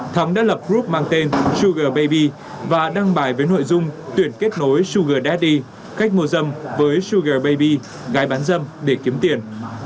thắng đã lập group mang tên sugar baby và đăng bài với nội dung tuyển kết nối sugar daddy cách mua dâm với sugar baby gai bán dâm để kiếm tiền